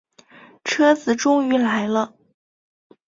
车子终于来了